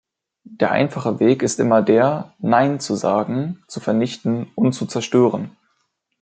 Der einfache Weg ist immer der, "nein" zu sagen, zu vernichten und zu zerstören.